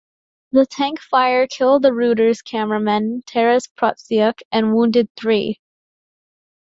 The tank fire killed the Reuters cameraman Taras Protsyuk and wounded three.